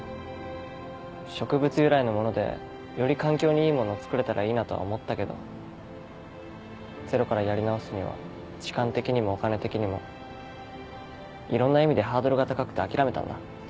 植物由来のものでより環境にいいもの作れたらいいなとは思ったけどゼロからやり直すには時間的にもお金的にもいろんな意味でハードルが高くて諦めたんだ。